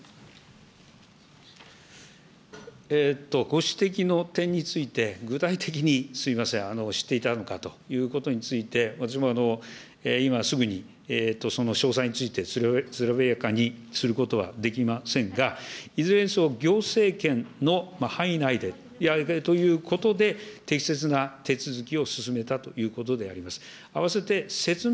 ご指摘の点について、具体的にすみません、知っていたのかということについて、私も今、すぐにその詳細について、つまびらかにすることはできませんが、いずれにせよ、行政権の範囲内でやるということで、適切な手続きを進めたということであります。